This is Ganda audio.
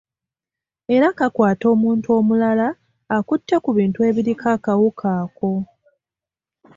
Era kakwata omuntu omulala akutte ku bintu ebiriko akawuka ako.